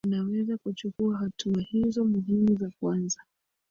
yanaweza kuchukua hatua hizo muhimu za kwanza